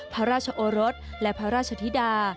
พระราชโอรสและพระราชธิดา